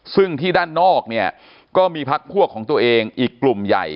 ซึ่งที่ด้านนอกเนี่ยก็มีพักพวกของตัวเองอีกกลุ่มใหญ่